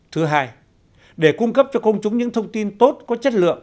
thứ hai để cung cấp cho công chúng những thông tin tốt có chất lượng